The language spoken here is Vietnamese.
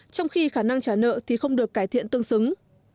trong khi khả năng trả nợ thì không được cải thiện tương xứng